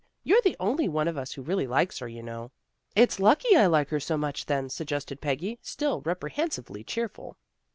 You're the only one of us who really likes her, you know." " It's lucky I like her so much, then," sug gested Peggy, still reprehensibly cheerful.